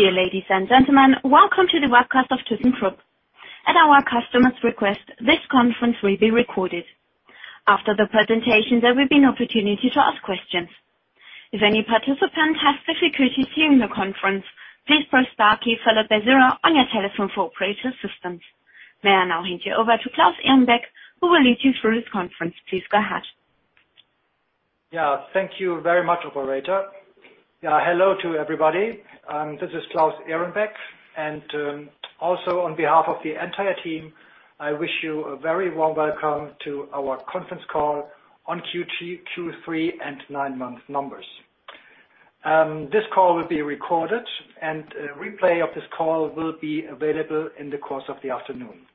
Dear ladies and gentlemen, welcome to the Webcast of Thyssenkrupp. At our customer's request, this conference will be recorded. After the presentation, there will be an opportunity to ask questions. If any participant has difficulty hearing the conference, please press star key followed by zero on your telephone for operator assistance. May I now hand you over to Claus Ehrenbeck, who will lead you through this conference. Please go ahead. Yeah, thank you very much, operator. Yeah, hello to everybody. This is Claus Ehrenbeck, and also on behalf of the entire team, I wish you a very warm welcome to our conference call on Q2, Q3, and nine-month numbers. This call will be recorded and a replay of this call will be available in the course of the afternoon.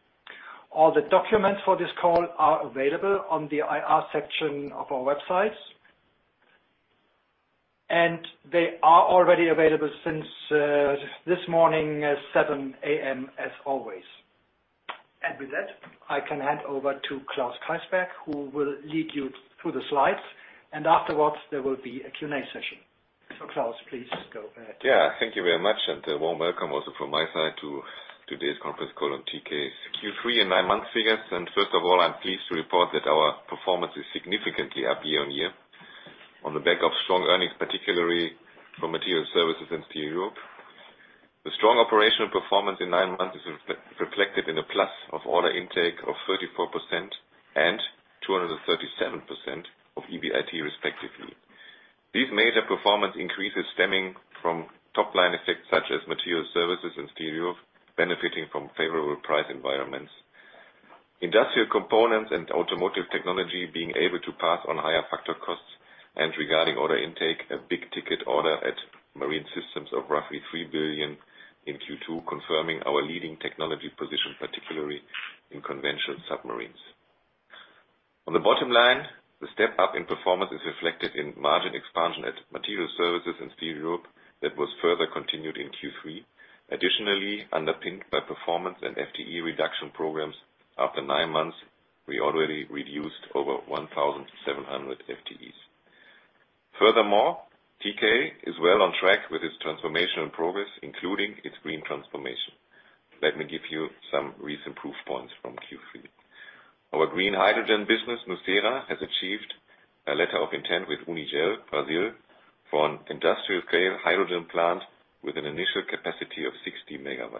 All the documents for this call are available on the IR section of our website. They are already available since this morning at 7:00 A.M., as always. With that, I can hand over to Klaus Keysberg, who will lead you through the slides. Afterwards, there will be a Q&A session. Klaus, please go ahead. Yeah, thank you very much, and a warm welcome also from my side to today's conference call on tk's Q3 and nine-month figures. First of all, I'm pleased to report that our performance is significantly up year-on-year on the back of strong earnings, particularly from Materials Services and Steel Europe. The strong operational performance in nine months is reflected in a plus of order intake of 34% and 237% of EBIT respectively. These major performance increases stemming from top-line effects such as Materials Services and Steel Europe benefiting from favorable price environments. Industrial Components and Automotive Technology being able to pass on higher factor costs and regarding order intake, a big ticket order at Marine Systems of roughly 3 billion in Q2, confirming our leading technology position, particularly in conventional submarines. On the bottom line, the step up in performance is reflected in margin expansion at Materials Services and Steel Europe. That was further continued in Q3. Additionally, underpinned by performance and FTE reduction programs. After nine months, we already reduced over 1,700 FTEs. Furthermore, tk is well on track with its transformational progress, including its green transformation. Let me give you some recent proof points from Q3. Our Green Hydrogen business, thyssenkrupp nucera, has achieved a letter of intent with Unigel, Brazil, for an industrial scale hydrogen plant with an initial capacity of 60 MW.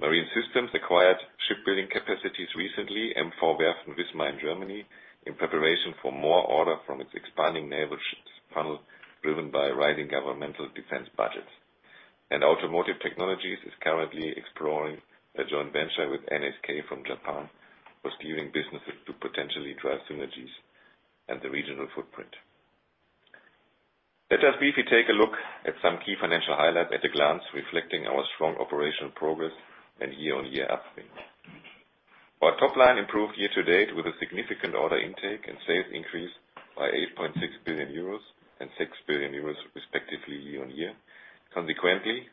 Marine Systems acquired shipbuilding capacities recently, MV Werften Wismar in Germany, in preparation for more orders from its expanding naval ships funnel, driven by rising governmental defense budgets. Automotive Technology is currently exploring a joint venture with NSK from Japan for steering businesses to potentially drive synergies and the regional footprint. Let us briefly take a look at some key financial highlights at a glance, reflecting our strong operational progress and year-over-year upswing. Our top line improved year to date with a significant order intake and sales increase by 8.6 billion euros and 6 billion euros respectively year-over-year. Consequently,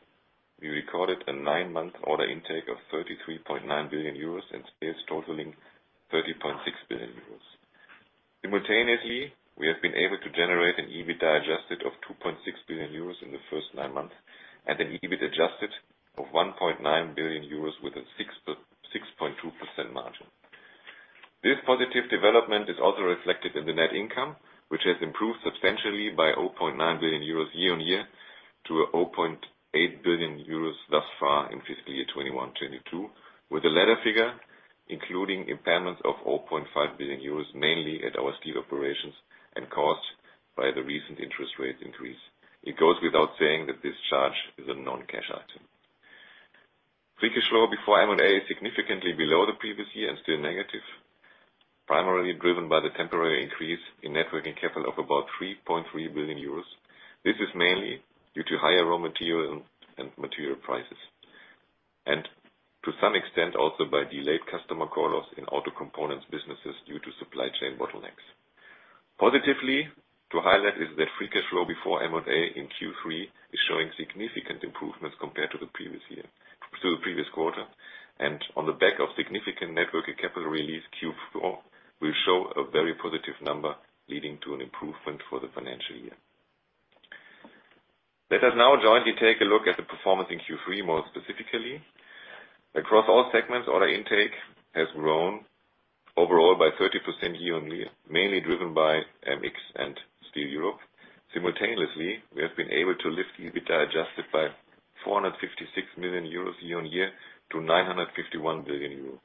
we recorded a nine-month order intake of 33.9 billion euros and sales totaling 30.6 billion euros. Simultaneously, we have been able to generate an adjusted EBIT of 2.6 billion euros in the first nine months, and an adjusted EBIT of 1.9 billion euros with a 6.2% margin. This positive development is also reflected in the net income, which has improved substantially by 0.9 billion euros year-on-year to 0.8 billion euros thus far in fiscal year 2021/2022, with the latter figure including impairments of 0.5 billion euros, mainly at our steel operations and caused by the recent interest rate increase. It goes without saying that this charge is a non-cash item. Free Cash Flow before M&A is significantly below the previous year and still negative, primarily driven by the temporary increase in Net Working Capital of about 3.3 billion euros. This is mainly due to higher raw material and material prices, and to some extent also by delayed customer quotas in auto components businesses due to supply chain bottlenecks. Positively to highlight is that Free Cash Flow before M&A in Q3 is showing significant improvements compared to the previous year, to the previous quarter. On the back of significant Net Working Capital release, Q4 will show a very positive number leading to an improvement for the financial year. Let us now jointly take a look at the performance in Q3, more specifically. Across all segments, order intake has grown overall by 30% year-on-year, mainly driven by MX and Steel Europe. Simultaneously, we have been able to lift Adjusted EBITA by 456 million euros year-on-year to 951 million euros,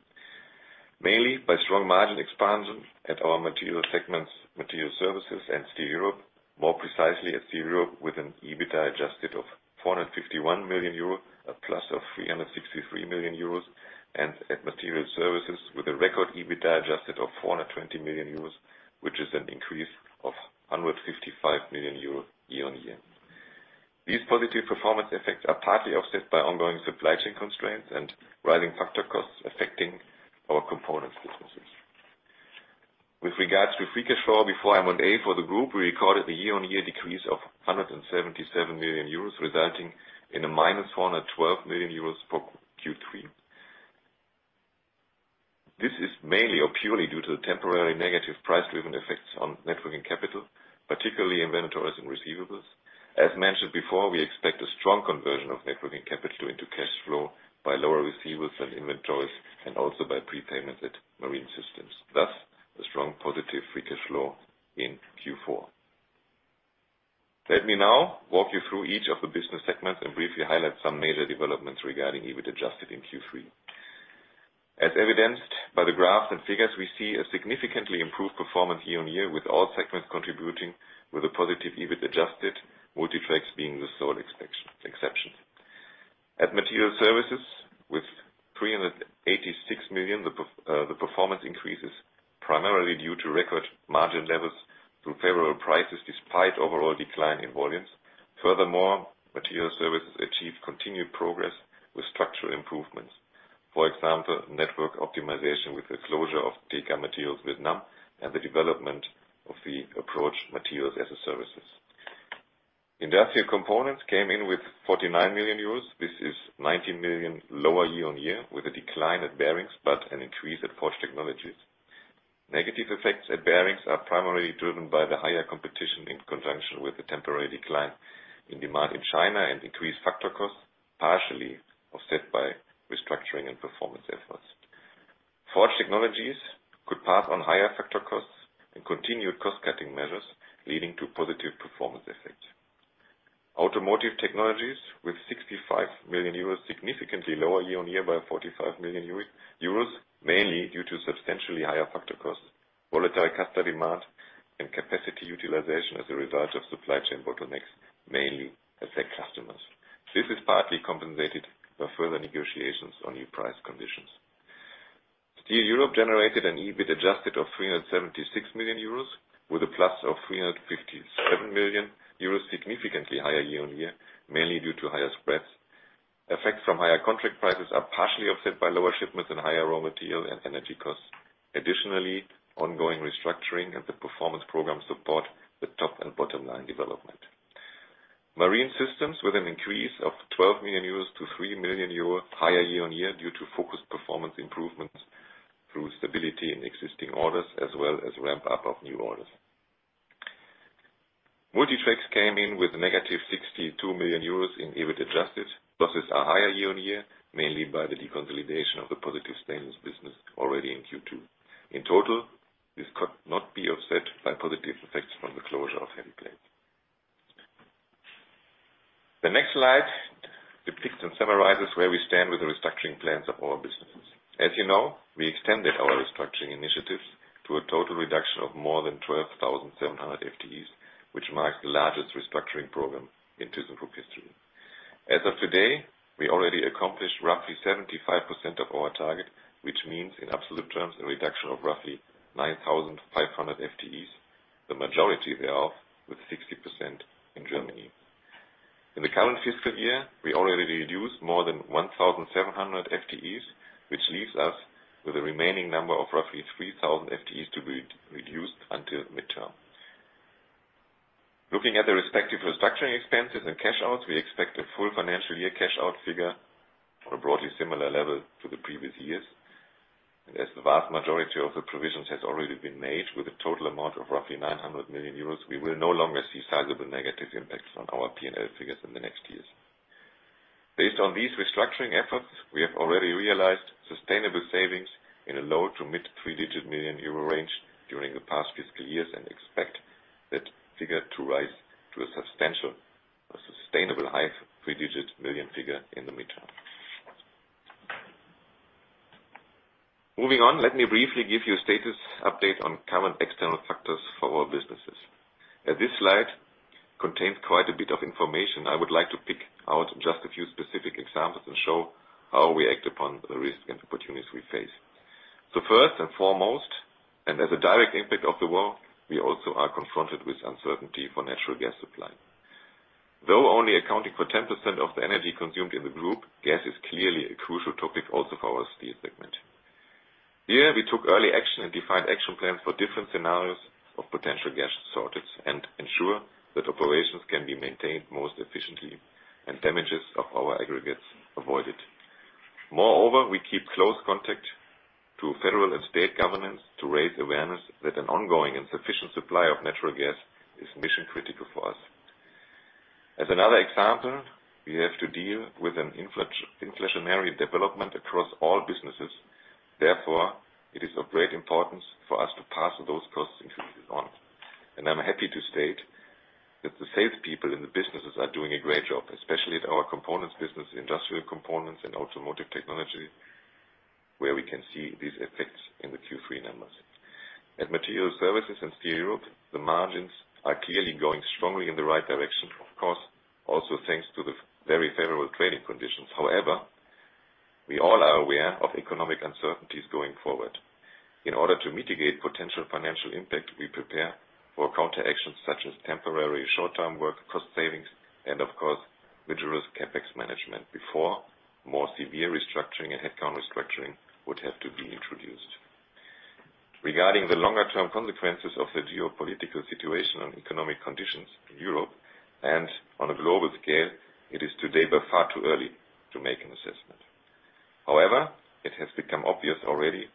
mainly by strong margin expansion at our Materials segments, Materials Services and Steel Europe. More precisely at Steel Europe with an Adjusted EBITDA of 451 million euro, a plus of 363 million euros. At Materials Services with a record Adjusted EBITDA of 420 million euros, which is an increase of 155 million euro year-on-year. These positive performance effects are partly offset by ongoing supply chain constraints and rising factor costs affecting our components businesses. With regards to Free Cash Flow before M&A for the group, we recorded a year-on-year decrease of 177 million euros, resulting in -412 million euros for Q3. This is mainly or purely due to the temporary negative price-driven effects Net Working Capital, particularly inventories and receivables. As mentioned before, we expect a strong conversion Net Working Capital into cash flow by lower receivables and inventories, and also by prepayments at Marine Systems, thus the strong positive Free Cash Flow in Q4. Let me now walk you through each of the business segments and briefly highlight some major developments regarding adjusted EBIT in Q3. As evidenced by the graphs and figures, we see a significantly improved performance year-on-year, with all segments contributing with a positive adjusted EBIT, Multi Tracks being the sole exception. At Material Services, with 386 million, the performance increases primarily due to record margin levels through favorable prices despite overall decline in volumes. Furthermore, Material Services achieved continued progress with structural improvements. For example, network optimization with the closure of thyssenkrupp Materials Vietnam and the development of Materials as a Service. Industrial Components came in with 49 million euros. This is 19 million lower year-on-year, with a decline at bearings, but an increase at Forged Technologies. Negative effects at bearings are primarily driven by the higher competition in conjunction with a temporary decline in demand in China and increased factor costs, partially offset by restructuring and performance efforts. Forged Technologies could pass on higher factor costs and continued cost-cutting measures, leading to positive performance effects. Automotive Technology, with 65 million euros, significantly lower year-on-year by 45 million euros, mainly due to substantially higher factor costs, volatile customer demand, and capacity utilization as a result of supply chain bottlenecks, mainly affecting customers. This is partly compensated by further negotiations on new price conditions. Steel Europe generated an adjusted EBIT of 376 million euros with a plus of 357 million euros, significantly higher year-on-year, mainly due to higher spreads. Effects from higher contract prices are partially offset by lower shipments and higher raw material and energy costs. Ongoing restructuring and the performance program support the top and bottom line development. Marine Systems, with an increase of 12 million euros to 3 million euros, higher year-over-year due to focused performance improvements through stability in existing orders as well as ramp up of new orders. Multi Tracks came in with a -62 million euros in EBIT adjusted. Losses are higher year-over-year, mainly by the deconsolidation of the positive stainless business already in Q2. In total, this could not be offset by positive effects from the closure of heavy plate. The next slide depicts and summarizes where we stand with the restructuring plans of our businesses. As you know, we extended our restructuring initiatives to a total reduction of more than 12,700 FTEs, which marks the largest restructuring program in thyssenkrupp history. As of today, we already accomplished roughly 75% of our target, which means, in absolute terms, a reduction of roughly 9,500 FTEs, the majority thereof with 60% in Germany. In the current fiscal year, we already reduced more than 1,700 FTEs, which leaves us with a remaining number of roughly 3,000 FTEs to be reduced until midterm. Looking at the respective restructuring expenses and cash outs, we expect a full financial year cash out figure on a broadly similar level to the previous years. As the vast majority of the provisions has already been made with a total amount of roughly 900 million euros, we will no longer see sizable negative impacts on our P&L figures in the next years. Based on these restructuring efforts, we have already realized sustainable savings in a low to mid three-digit million euro range during the past fiscal years, and expect that figure to rise to a substantial, a sustainable high three-digit million figure in the midterm. Moving on, let me briefly give you a status update on current external factors for our businesses. Now this slide contains quite a bit of information. I would like to pick out just a few specific examples and show how we act upon the risks and opportunities we face. First and foremost, and as a direct impact of the war, we also are confronted with uncertainty for natural gas supply. Though only accounting for 10% of the energy consumed in the group, gas is clearly a crucial topic also for our steel segment. Here, we took early action and defined action plans for different scenarios of potential gas shortage and ensure that operations can be maintained most efficiently and damages of our aggregates avoided. Moreover, we keep close contact to federal and state governments to raise awareness that an ongoing and sufficient supply of natural gas is mission-critical for us. As another example, we have to deal with an inflationary development across all businesses. Therefore, it is of great importance for us to pass those cost increases on. I'm happy to state that the salespeople in the businesses are doing a great job, especially at our components business, Industrial Components and Automotive Technology, where we can see these effects in the Q3 numbers. At Materials Services and Steel Europe, the margins are clearly going strongly in the right direction, of course, also thanks to the very favorable trading conditions. However, we all are aware of economic uncertainties going forward. In order to mitigate potential financial impact, we prepare for counteractions such as temporary short-term work, cost savings, and of course, vigorous CapEx management before more severe restructuring and headcount restructuring would have to be introduced. Regarding the longer term consequences of the geopolitical situation on economic conditions in Europe and on a global scale, it is today by far too early to make an assessment. However, it has become obvious already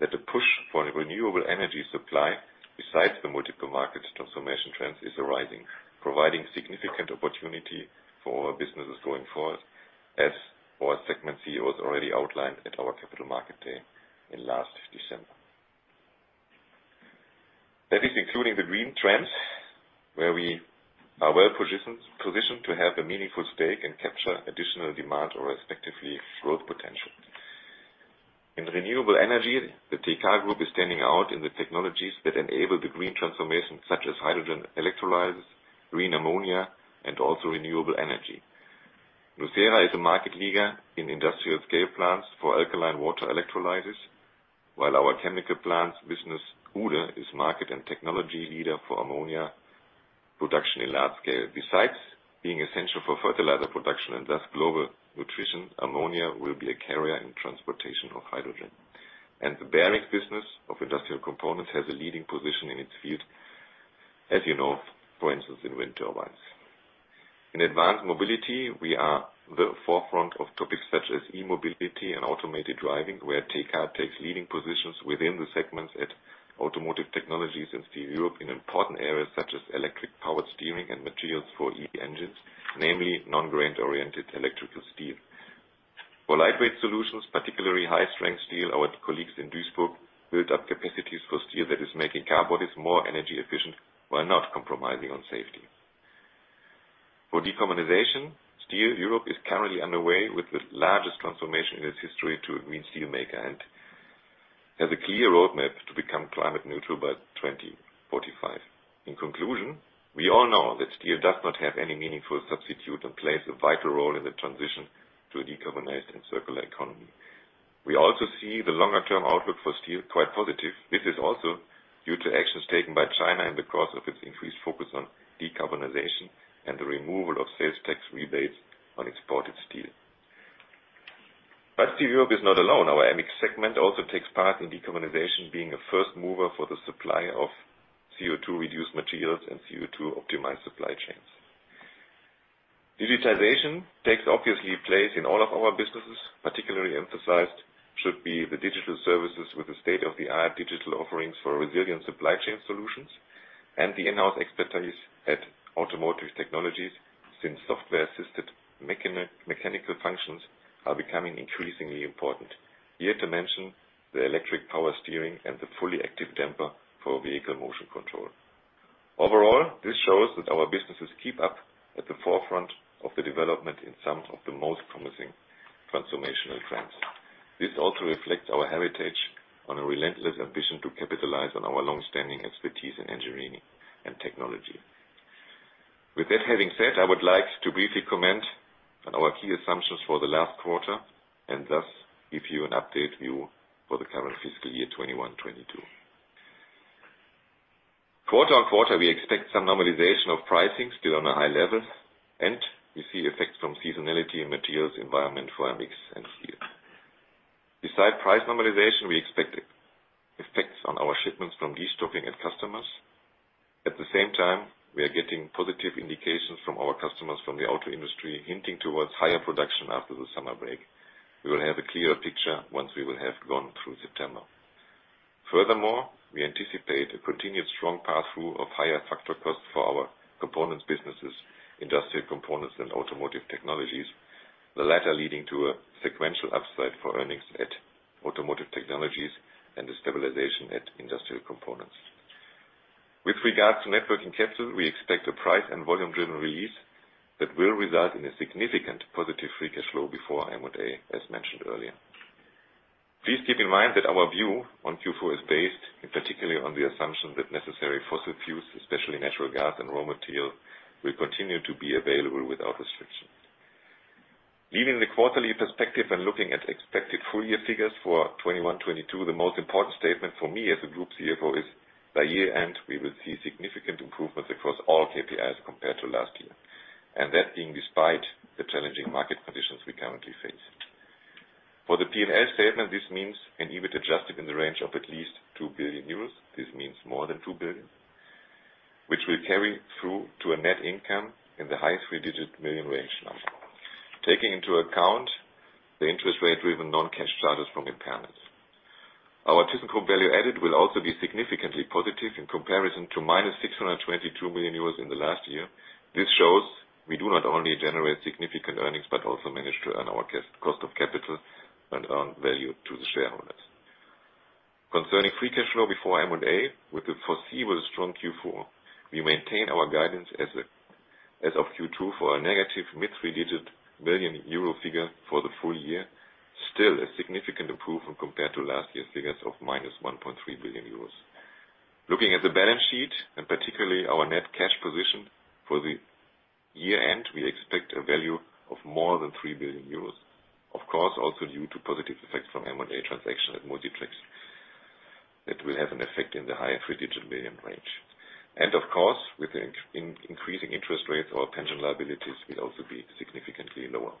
that the push for a renewable energy supply besides the multiple market transformation trends is arising, providing significant opportunity for our businesses going forward, as our segment CEO has already outlined at our capital market day in last December. That is including the green trends, where we are well positioned to have a meaningful stake and capture additional demand or respectively growth potential. In renewable energy, the tk Group is standing out in the technologies that enable the green transformation, such as hydrogen electrolysis, green ammonia, and also renewable energy. Nucera is a market leader in industrial scale plants for alkaline water electrolysis, while our chemical plants business, Uhde, is market and technology leader for ammonia production in large scale. Besides being essential for fertilizer production and thus global nutrition, ammonia will be a carrier in transportation of hydrogen. The bearings business of Industrial Components has a leading position in its field, as you know, for instance, in wind turbines. In advanced mobility, we are at the forefront of topics such as e-mobility and automated driving, where tk takes leading positions within the segments at Automotive Technology and Steel Europe in important areas such as electric power steering and materials for EV engines, namely non-grain-oriented electrical steel. For lightweight solutions, particularly high-strength steel, our colleagues in Duisburg build up capacities for steel that is making car bodies more energy efficient while not compromising on safety. For decarbonization, Steel Europe is currently underway with the largest transformation in its history to a green steelmaker and has a clear roadmap to become climate neutral by 2045. In conclusion, we all know that steel does not have any meaningful substitute and plays a vital role in the transition to a decarbonized and circular economy. We also see the longer-term outlook for steel quite positive. This is also due to actions taken by China in the course of its increased focus on decarbonization and the removal of sales tax rebates on exported steel. Steel Europe is not alone. Our MX segment also takes part in decarbonization, being a first mover for the supply of CO₂ reduced materials and CO₂ optimized supply chains. Digitalization takes obviously place in all of our businesses. Particularly emphasized should be the digital services with the state-of-the-art digital offerings for resilient supply chain solutions and the in-house expertise at Automotive Technologies, since software-assisted mechanical functions are becoming increasingly important. Here to mention the electric power steering and the fully active damper for vehicle motion control. Overall, this shows that our businesses keep up at the forefront of the development in some of the most promising transformational trends. This also reflects our heritage on a relentless ambition to capitalize on our long-standing expertise in engineering and technology. With that having said, I would like to briefly comment on our key assumptions for the last quarter and thus give you an updated view for the current fiscal year 2021/2022. Quarter on quarter, we expect some normalization of pricing still on a high level, and we see effects from seasonality in materials environment for MX and Steel. Besides price normalization, we expect effects on our shipments from destocking at customers. At the same time, we are getting positive indications from our customers from the auto industry, hinting toward higher production after the summer break. We will have a clearer picture once we will have gone through September. Furthermore, we anticipate a continued strong pass-through of higher factor costs for our components businesses, Industrial Components and Automotive Technologies, the latter leading to a sequential upside for earnings at Automotive Technologies and a stabilization at Industrial Components. With regards to Net Working Capital, we expect a price and volume-driven release that will result in a significant positive Free Cash Flow Before M&A, as mentioned earlier. Please keep in mind that our view on Q4 is based particularly on the assumption that necessary fossil fuels, especially natural gas and raw material, will continue to be available without restrictions. Leaving the quarterly perspective and looking at expected full-year figures for 2021/2022, the most important statement for me as a group CFO is by year-end, we will see significant improvements across all KPIs compared to last year, and that being despite the challenging market conditions we currently face. For the P&L statement, this means an adjusted EBIT in the range of at least 2 billion euros. This means more than 2 billion, which will carry through to a net income in the high three-digit million range number. Taking into account the interest rate-driven non-cash charges from impairment. Our typical value added will also be significantly positive in comparison to -622 million euros in the last year. This shows we do not only generate significant earnings, but also manage to earn our cost of capital and earn value to the shareholders. Concerning Free Cash Flow Before M&A, with the foreseeable strong Q4, we maintain our guidance as of Q2 for a negative mid-three-digit billion euro figure for the full year, still a significant improvement compared to last year's figures of -1.3 billion euros. Looking at the balance sheet, and particularly our net cash position for the year-end, we expect a value of more than 3 billion euros. Of course, also due to positive effects from M&A transaction at Multi Tracks that will have an effect in the high three-digit billion range. Of course, with increasing interest rates, our pension liabilities will also be significantly lower.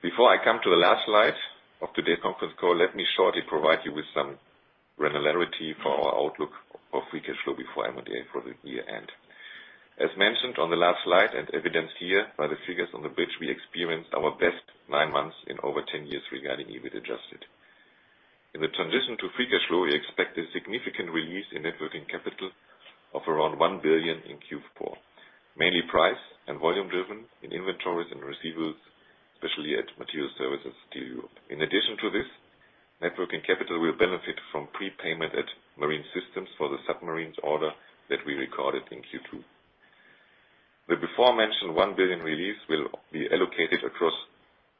Before I come to the last slide of today's conference call, let me shortly provide you with some granularity for our outlook of Free Cash Flow before M&A for the year-end. As mentioned on the last slide and evidenced here by the figures on the bridge, we experienced our best nine months in over 10 years regarding EBIT adjusted. In the transition to Free Cash Flow, we expect a significant release Net Working Capital of around 1 billion in Q4, mainly price and volume-driven in inventories and receivables, especially at Materials Services Steel Europe. In addition to Net Working Capital will benefit from prepayment at Marine Systems for the submarines order that we recorded in Q2. The before mentioned 1 billion release will be allocated across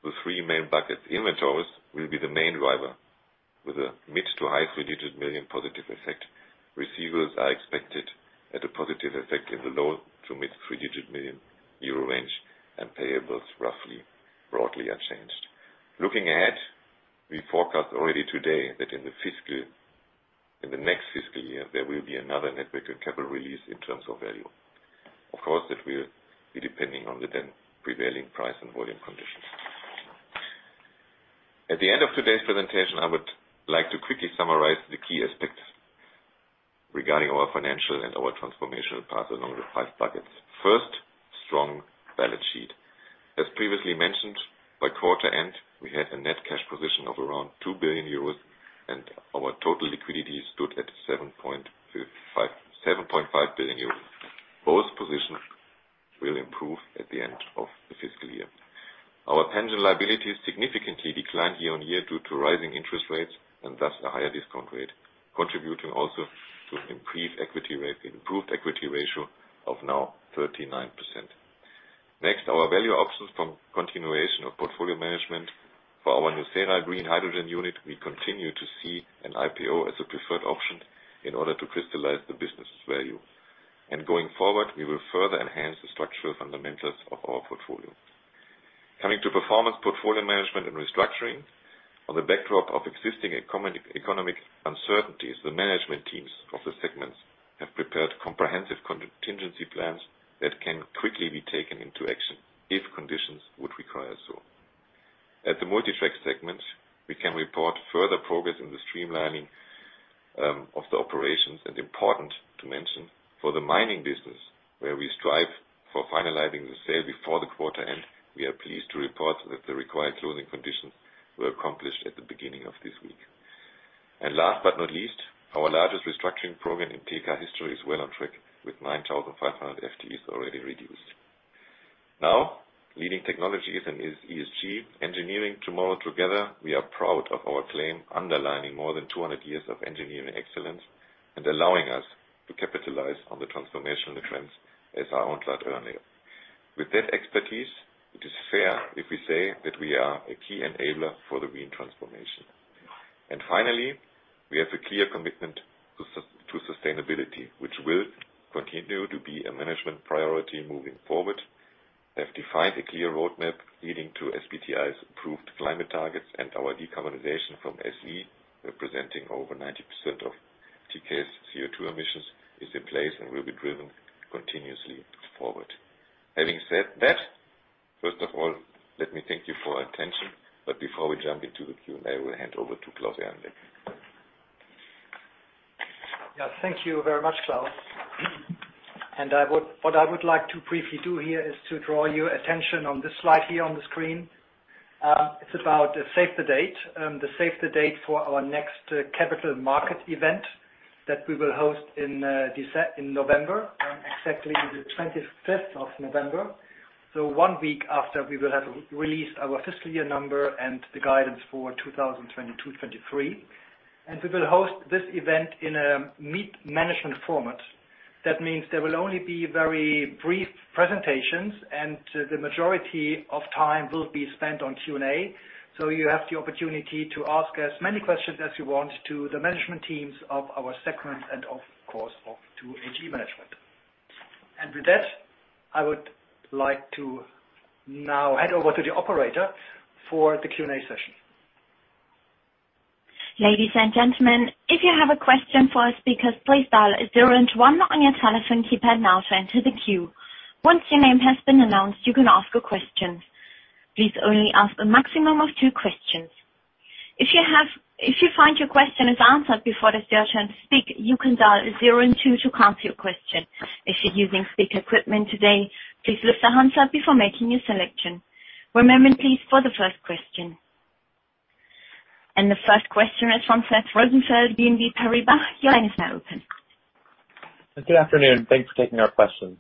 the three main buckets. Inventories will be the main driver with a mid- to high three-digit million positive effect. Receivables are expected at a positive effect in the low- to mid three-digit million euro range, and payables roughly broadly unchanged. Looking ahead, we forecast already today that in the next fiscal year, there will be Net Working Capital release in terms of value. Of course, it will be depending on the then prevailing price and volume conditions. At the end of today's presentation, I would like to quickly summarize the key aspects regarding our financial and our transformational path along the five buckets. First, strong balance sheet. As previously mentioned, by quarter end, we had a net cash position of around 2 billion euros and our total liquidity stood at 7.5 billion euros. Both positions will improve at the end of the fiscal year. Our pension liability significantly declined year-on-year due to rising interest rates and thus a higher discount rate, contributing also to increased equity rate, improved equity ratio of now 39%. Next, our value options from continuation of portfolio management. For our thyssenkrupp nucera green hydrogen unit, we continue to see an IPO as a preferred option in order to crystallize the business value. Going forward, we will further enhance the structural fundamentals of our portfolio. Coming to performance portfolio management and restructuring. On the backdrop of existing geo-economic uncertainties, the management teams of the segments have prepared comprehensive contingency plans that can quickly be taken into action if conditions would require so. At the Multi Tracks segment, we can report further progress in the streamlining of the operations and important to mention for the mining business, where we strive for finalizing the sale before the quarter end, we are pleased to report that the required closing conditions were accomplished at the beginning of this week. Last but not least, our largest restructuring program in tk history is well on track with 9,500 FTEs already reduced. Now, leading technologies and ESG engineering tomorrow together, we are proud of our claim, underlining more than 200 years of engineering excellence and allowing us to capitalize on the transformational trends as we outlined earlier. With that expertise, it is fair if we say that we are a key enabler for the green transformation. Finally, we have a clear commitment to sustainability, which will continue to be a management priority moving forward. We have defined a clear roadmap leading to SBTi's approved climate targets and our decarbonization from SE, representing over 90% of tk's CO2 emissions, is in place and will be driven continuously forward. Having said that, first of all, let me thank you for your attention, but before we jump into the Q&A, I will hand over to Claus Ehrenbeck. Yeah. Thank you very much, Klaus. What I would like to briefly do here is to draw your attention on this slide here on the screen. It's about Save the Date. The Save the Date for our next capital market event that we will host in November, on exactly the November 25th. One week after we will have released our fiscal year number and the guidance for 2022, 2023. We will host this event in a meet-the-management format. That means there will only be very brief presentations and the majority of time will be spent on Q&A. You have the opportunity to ask as many questions as you want to the management teams of our segments and of course to AG management. With that, I would like to now hand over to the operator for the Q&A session. Ladies and gentlemen, if you have a question for our speakers, please dial zero and one on your telephone keypad now to enter the queue. Once your name has been announced, you can ask your questions. Please only ask a maximum of two questions. If you find your question is answered before it is your turn to speak, you can dial zero and two to cancel your question. If you're using speaker equipment today, please lift the handset before making your selection. Remembrance, please, for the first question. The first question is from Seth Rosenfeld, BNP Paribas. Your line is now open. Good afternoon. Thanks for taking our questions.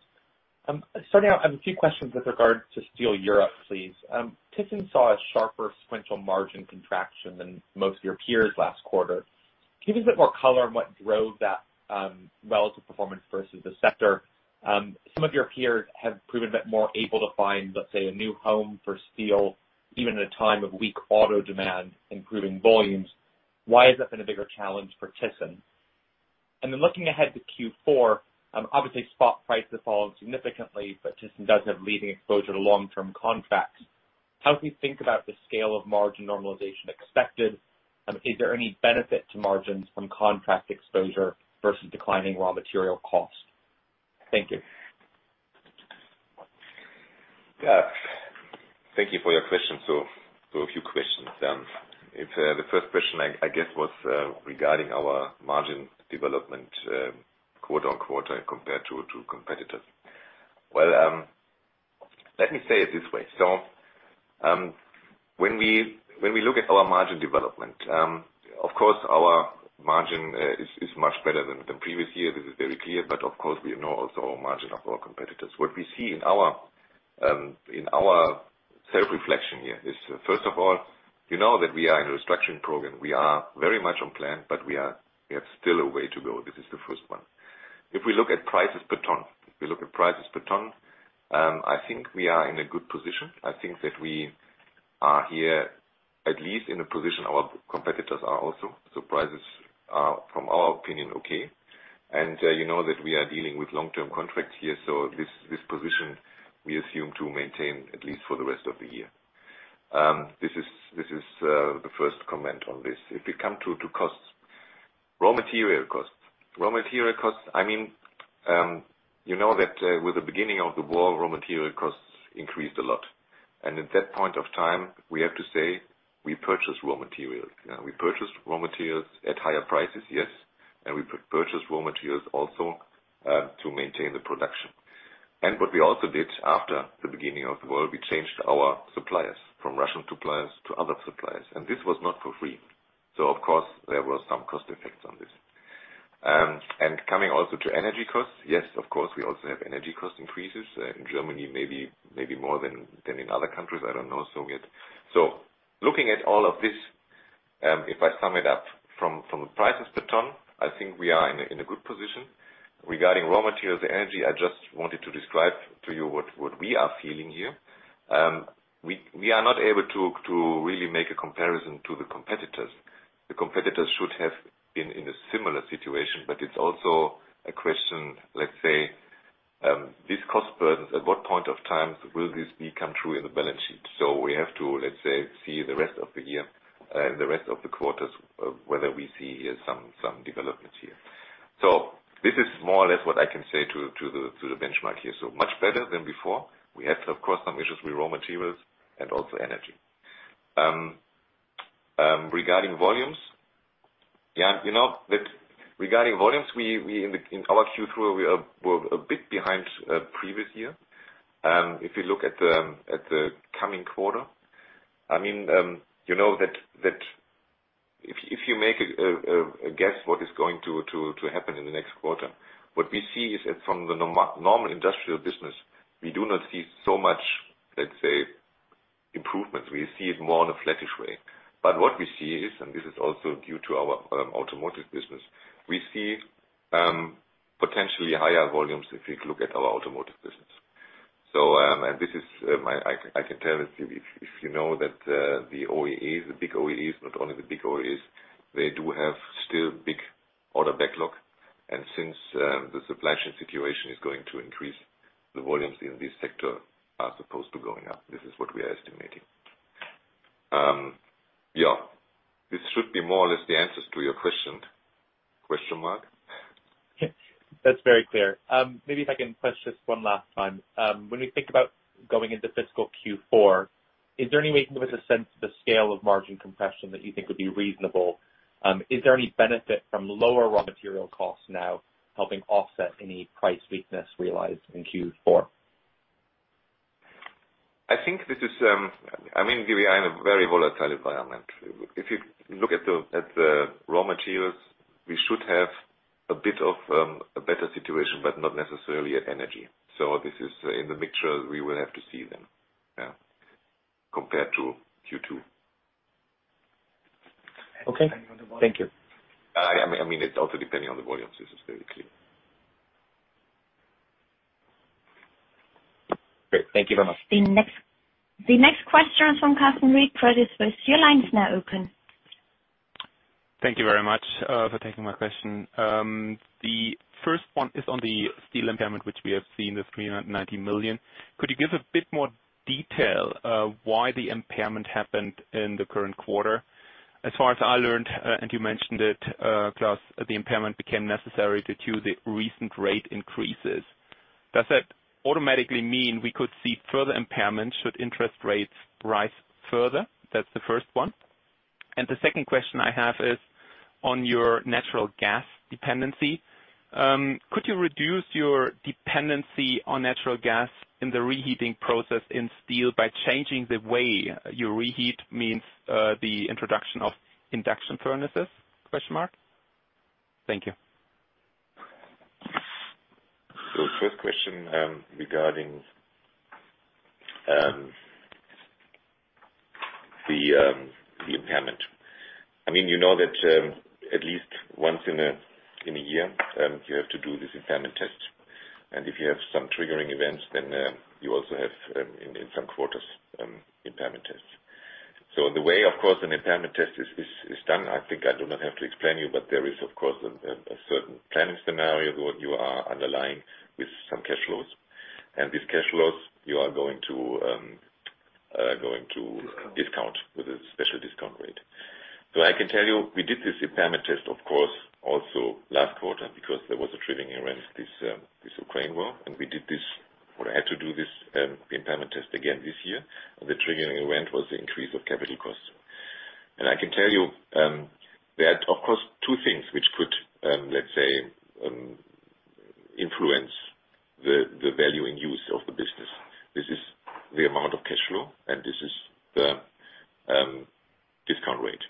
Starting out, I have a few questions with regards to Steel Europe, please. Thyssen saw a sharper sequential margin contraction than most of your peers last quarter. Can you give a bit more color on what drove that, relative performance versus the sector? Some of your peers have proven a bit more able to find, let's say, a new home for steel, even in a time of weak auto demand, improving volumes. Why has that been a bigger challenge for Thyssen? Looking ahead to Q4, obviously, spot prices have fallen significantly, but Thyssen does have leading exposure to long-term contracts. How do you think about the scale of margin normalization expected? Is there any benefit to margins from contract exposure versus declining raw material costs? Thank you. Yeah. Thank you for your question. A few questions. If the first question I guess was regarding our margin development, quarter-on-quarter compared to competitors. Well, let me say it this way. When we look at our margin development, of course our margin is much better than the previous year. This is very clear, but of course, we know also our margin of our competitors. What we see in our self-reflection here is, first of all, you know that we are in a restructuring program. We are very much on plan, but we have still a way to go. This is the first one. If we look at prices per ton, I think we are in a good position. I think that we are here, at least in a position our competitors are also. Prices are, from our opinion, okay. You know that we are dealing with long-term contracts here, so this position we assume to maintain at least for the rest of the year. This is the first comment on this. If we come to costs. Raw material costs, I mean, you know that with the beginning of the war, raw material costs increased a lot. At that point of time, we have to say we purchased raw materials. We purchased raw materials at higher prices, yes. We purchased raw materials also to maintain the production. What we also did after the beginning of the war, we changed our suppliers from Russian suppliers to other suppliers, and this was not for free. So of course, there were some cost effects on this. And coming also to energy costs. Yes, of course, we also have energy cost increases. In Germany, maybe more than in other countries. I don't know so yet. Looking at all of this, if I sum it up from the prices per ton, I think we are in a good position. Regarding raw materials, energy, I just wanted to describe to you what we are feeling here. We are not able to really make a comparison to the competitors. Competitors should have been in a similar situation, but it's also a question, let's say, these cost burdens, at what point of time will this become through in the balance sheet? We have to, let's say, see the rest of the year, the rest of the quarters, whether we see some developments here. This is more or less what I can say to the benchmark here. Much better than before. We have, of course, some issues with raw materials and also energy. Regarding volumes. Yeah, you know that regarding volumes, we in our Q3 were a bit behind previous year. If you look at the coming quarter. I mean, you know that if you make a guess what is going to happen in the next quarter, what we see is that from the normal industrial business, we do not see so much, let's say, improvements. We see it more in a flattish way. What we see is, and this is also due to our automotive business, we see potentially higher volumes if you look at our automotive business. I can tell if you know that the OEs, the big OEs, not only the big OEs, they do have still big order backlog. Since the supply chain situation is going to increase, the volumes in this sector are supposed to going up. This is what we are estimating. This should be more or less the answers to your question. Question mark? That's very clear. Maybe if I can push this one last time. When we think about going into fiscal Q4, is there any way you can give us a sense of the scale of margin compression that you think would be reasonable? Is there any benefit from lower raw material costs now helping offset any price weakness realized in Q4? I think this is, I mean, we are in a very volatile environment. If you look at the raw materials, we should have a bit of a better situation, but not necessarily at energy. This is in the mixture we will have to see then, yeah, compared to Q2. Okay. Thank you. I mean, it's also depending on the volumes. This is very clear. Great. Thank you very much. The next question is from Carsten Evers. thyssenkrupp Steel, your line is now open. Thank you very much for taking my question. The first one is on the steel impairment, which we have seen, the 390 million. Could you give a bit more detail why the impairment happened in the current quarter? As far as I learned, and you mentioned it, Klaus, the impairment became necessary due to the recent rate increases. Does that automatically mean we could see further impairment should interest rates rise further? That's the first one. The second question I have is on your natural gas dependency. Could you reduce your dependency on natural gas in the reheating process in steel by changing the way you reheat means, the introduction of induction furnaces? Thank you. First question, regarding the impairment. I mean, you know that, at least once in a year, you have to do this impairment test. If you have some triggering events, then, you also have, in some quarters, impairment tests. The way, of course, an impairment test is done, I think I do not have to explain you, but there is of course a certain planning scenario what you are underlying with some cash flows. And this cash flows you are going to going to. Discount. Discount with a special discount rate. I can tell you, we did this impairment test, of course, also last quarter because there was a triggering event, this Ukraine war, and we did this, or I had to do this impairment test again this year. The triggering event was the increase of capital costs. I can tell you, there are of course two things which could, let's say, influence the value and use of the business. This is the amount of cash flow, and this is the discount rate.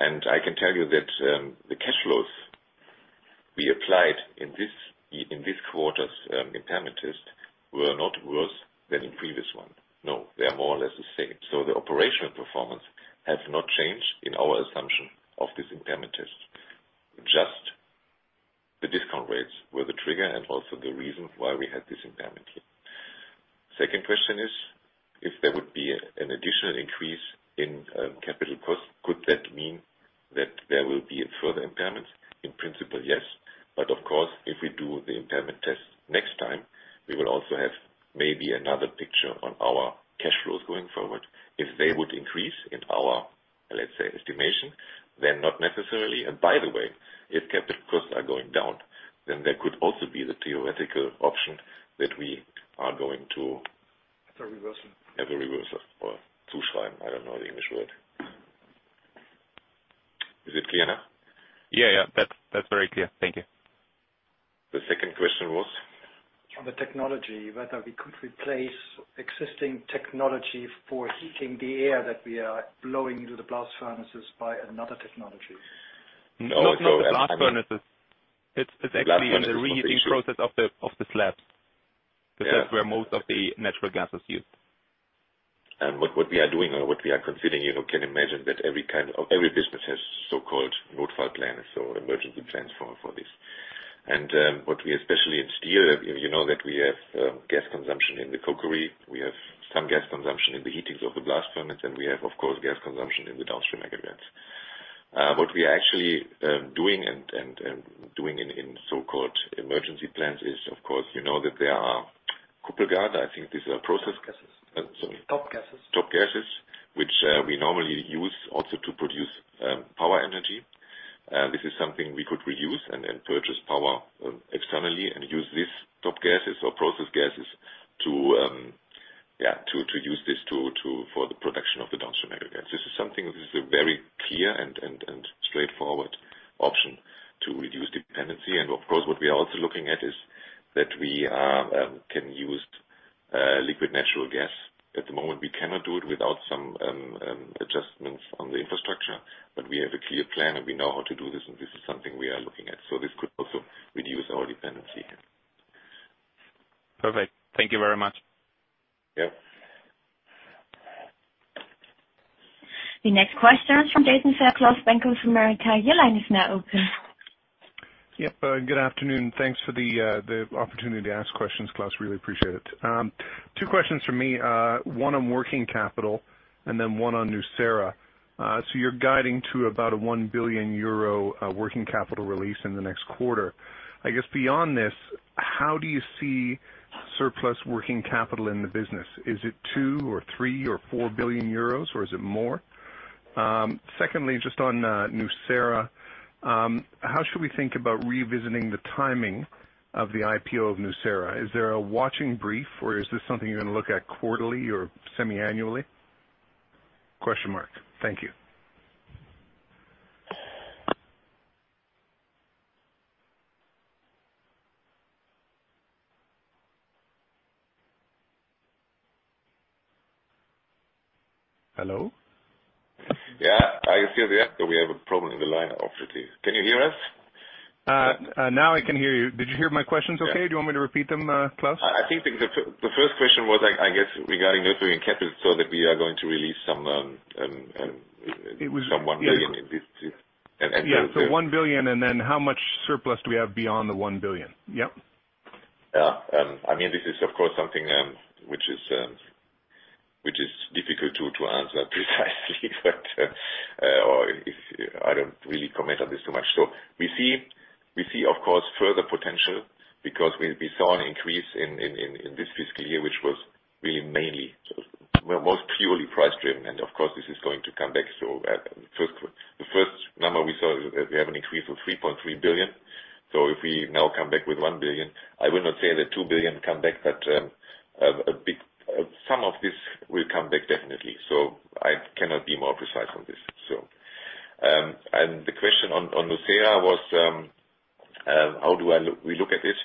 I can tell you that the cash flows we applied in this quarter's impairment test were not worse than the previous one. No, they are more or less the same. The operational performance has not changed in our assumption of this impairment test. Just the discount rates were the trigger and also the reason why we had this impairment here. Second question is, if there would be an additional increase in capital costs, could that mean that there will be further impairments? In principle, yes. But of course, if we do the impairment test next time, we will also have maybe another picture on our cash flows going forward. If they would increase in our, let's say, estimation, then not necessarily. By the way, if capital costs are going down, then there could also be the theoretical option that we are going to. Have a reversal. Have a reversal or Zuschreibung. I don't know the English word. Is it clear now? Yeah. That's very clear. Thank you. The second question was? On the technology, whether we could replace existing technology for heating the air that we are blowing into the blast furnaces by another technology. No, not the blast furnaces. It's actually blast furnaces especially in the reheating process of the slabs. Yeah. That's where most of the natural gas is used. What we are doing or what we are considering, you know, you can imagine that every kind of business has so-called Notfallplan, so emergency plans for this. What we are especially doing in steel, you know that we have gas consumption in the cokery. We have some gas consumption in the heating of the blast furnace, and we have, of course, gas consumption in the downstream aggregates. What we are actually doing in so-called emergency plans is, of course, you know that there are Kuppelgas. I think these are process- Top gases. Sorry. Top gases. Top gases, which we normally use also to produce power energy. This is something we could reuse and then purchase power externally and use this top gases or process gases to use this for the production of the downstream aggregates. This is something that is a very clear and straightforward option to reduce dependency. Of course, what we are also looking at is that we can use Liquefied Natural Gas. At the moment, we cannot do it without some adjustments on the infrastructure. We have a clear plan, and we know how to do this, and this is something we are looking at. This could also reduce our dependency. Perfect. Thank you very much. Yeah. The next question is from Jason Fairclough, Bank of America. Your line is now open. Yep. Good afternoon. Thanks for the opportunity to ask questions, Klaus. Really appreciate it. Two questions from me, one on working capital and then one on Nucera. You're guiding to about 1 billion euro working capital release in the next quarter. I guess beyond this, how do you see surplus working capital in the business? Is it 2 billionor 3 billion or 4 billion euros, or is it more? Secondly, just on Nucera, how should we think about revisiting the timing of the IPO of Nucera? Is there a watching brief, or is this something you're gonna look at quarterly or semi-annually? Thank you. Hello? Yeah. I hear you. We have a problem in the line, obviously. Can you hear us? Now I can hear you. Did you hear my questions okay? Yeah. Do you want me to repeat them, Klaus? I think the first question was, I guess regarding working capital, so that we are going to release some It was- Some 1 billion in this. Yeah. 1 billion and then how much surplus do we have beyond the 1 billion? Yep. Yeah. I mean, this is of course something which is difficult to answer precisely, but I don't really comment on this too much. We see of course further potential because we saw an increase in this fiscal year, which was really mainly most purely price driven. Of course, this is going to come back. The first number we saw is we have an increase of 3.3 billion. If we now come back with 1 billion, I will not say the 2 billion come back, but some of this will come back definitely. I cannot be more precise on this. And the question on Nucera was, we look at it.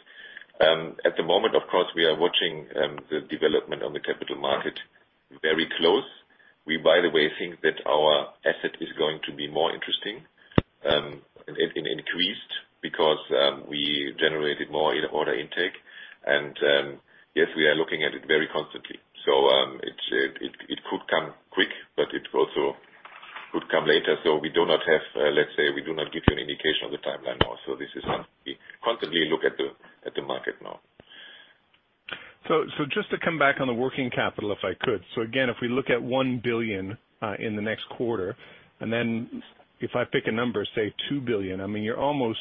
At the moment, of course, we are watching the development on the capital market very closely. We, by the way, think that our asset is going to be more interesting and increased because we generated more order intake. Yes, we are looking at it very closely. It could come quickly, but it also could come later. We do not have, let's say, we do not give you an indication of the timeline also. This is something we constantly look at the market now. Just to come back on the working capital, if I could. Again, if we look at 1 billion in the next quarter, and then if I pick a number, say 2 billion, I mean, you're almost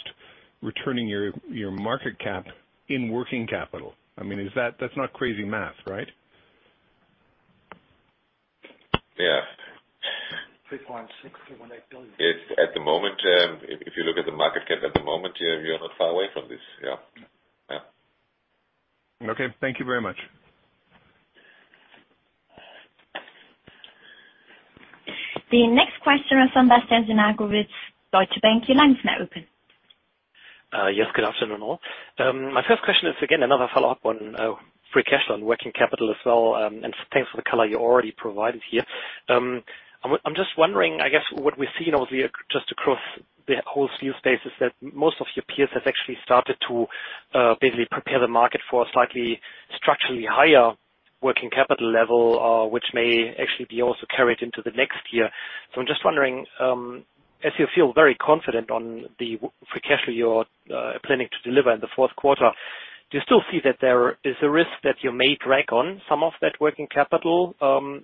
returning your market cap in working capital. I mean, that's not crazy math, right? 3.6 billion-3.8 billion. It's at the moment, if you look at the market cap at the moment, yeah, we are not far away from this. Yeah. Yeah. Okay. Thank you very much. The next question is from Bastian Synagowitz, Deutsche Bank. Your line is now open. Yes. Good afternoon all. My first question is, again, another follow-up on free cash and working capital as well, and thanks for the color you already provided here. I'm just wondering, I guess, what we see now is just across the whole steel space is that most of your peers have actually started to basically prepare the market for a slightly structurally higher working capital level, which may actually be also carried into the next year. I'm just wondering, as you feel very confident on the Free Cash Flow you're planning to deliver in the fourth quarter, do you still see that there is a risk that you may drag on some of that working capital,